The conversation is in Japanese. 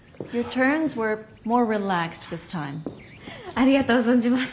ありがとう存じます。